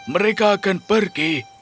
mereka akan pergi